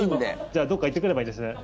じゃあ、どこか行ってくればいいんですね。